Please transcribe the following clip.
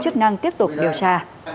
chức năng tiếp tục điều tra